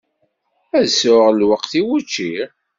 Ad sɛuɣ lweqt i wučči?